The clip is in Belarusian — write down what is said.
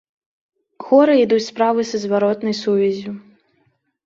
Горай ідуць справы са зваротнай сувяззю.